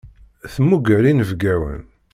Temmuger inebgawen.